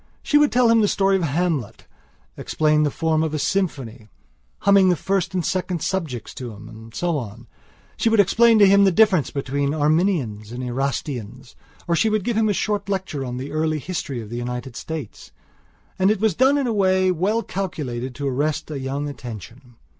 She would tell him the story of Hamlet; explain the form of a symphony, humming the first and second subjects to him, and so on; she would explain to him the difference between Arminians and Erastians; or she would give him a short lecture on the early history of the United States. And it was done in a way well calculated to arrest a young attention.